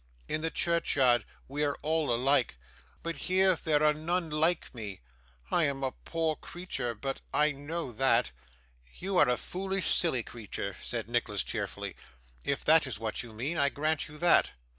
'In the churchyard we are all alike, but here there are none like me. I am a poor creature, but I know that.' 'You are a foolish, silly creature,' said Nicholas cheerfully. 'If that is what you mean, I grant you that.